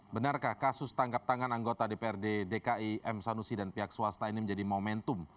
benarkah kasus tangkap tangan anggota dprd dki m sanusi dan pihak swasta ini menjadi momentum